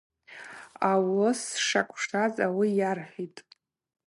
Ауыс шакӏвшаз ауи йархӏвтӏ.